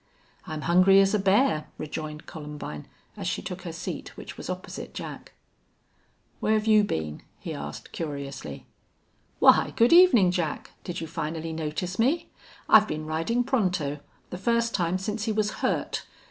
"I'm hungry as a bear," rejoined Columbine, as she took her seat, which was opposite Jack. "Where 'ye you been?" he asked, curiously. "Why, good evening, Jack! Did you finally notice me?... I've been riding Pronto, the first time since he was hurt.